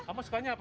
kamu sukanya apa